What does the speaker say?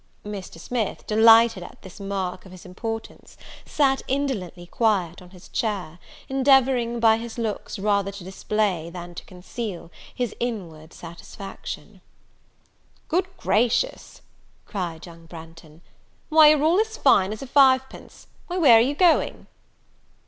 Mr. Smith, delighted at this mark of his importance, sat indolently quiet on his chair, endeavouring by his looks rather to display, than to conceal, his inward satisfaction. "Good gracious!" cried young Branghton, "why, you're all as fine as a five pence! Why, where are you going?"